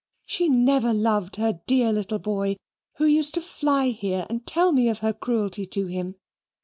She never loved her dear little boy, who used to fly here and tell me of her cruelty to him.